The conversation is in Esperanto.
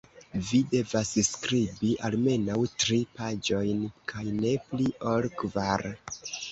Vi devas skribi almenaŭ tri paĝojn kaj ne pli ol kvar.